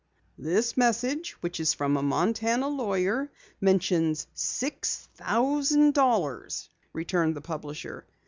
"This message which is from a Montana lawyer mentions six thousand dollars," returned the publisher.